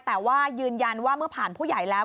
แต่ว่ายืนยันว่าเมื่อผ่านผู้ใหญ่แล้ว